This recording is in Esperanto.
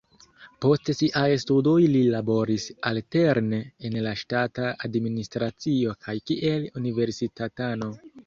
Post siaj studoj li laboris alterne en la ŝtata administracio kaj kiel universitatano.